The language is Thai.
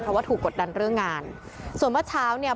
เพราะว่าถูกกดดันเรื่องงานส่วนเมื่อเช้าเนี่ย